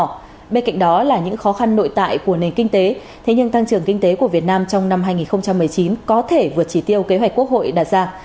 những ý kiến đó là những khó khăn nội tại của nền kinh tế thế nhưng tăng trưởng kinh tế của việt nam trong năm hai nghìn một mươi chín có thể vượt trí tiêu kế hoạch quốc hội đặt ra